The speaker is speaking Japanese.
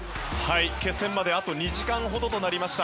決戦まであと２時間ほどとなりました。